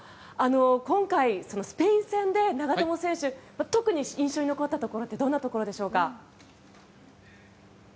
今回のスペイン戦で長友選手特に印象に残ったところってどんなところでしょうか。